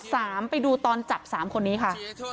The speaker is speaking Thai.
ก็ได้ดูตอนจับ๓คนนี้ค่ะ